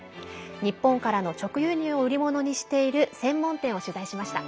日本からの直輸入を売り物にしている専門店を取材しました。